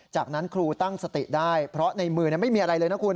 จากนั้นครูตั้งสติได้เพราะในมือไม่มีอะไรเลยนะคุณ